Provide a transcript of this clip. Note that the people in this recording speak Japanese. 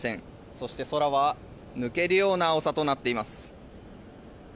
そして、空は抜けるような青さとなっています。